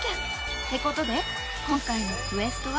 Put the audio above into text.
ってことで今回のクエストは？